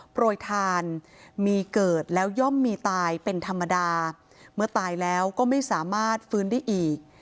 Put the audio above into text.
โปรยทานมีเกิดแล้วย่อมมีตายเป็นธรรมดาเมื่อตายแล้วก็ไม่สามารถฟื้นได้อีก